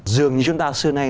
dường như chúng ta xưa nay